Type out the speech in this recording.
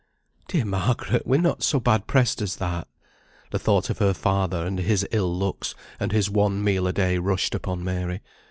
"Dear Margaret, we're not so bad pressed as that." (The thought of her father, and his ill looks, and his one meal a day, rushed upon Mary.)